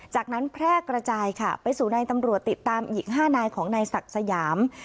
จากนั้นแพร่กระจายค่ะไปสู่นายตำรวจติดตามอีก๕นายของนายศักดิ์สยาม